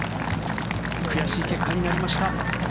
悔しい結果になりました。